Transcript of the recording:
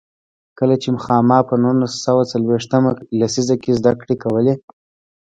کله چې خاما په نولس سوه څلوېښت مه لسیزه کې زده کړې کولې.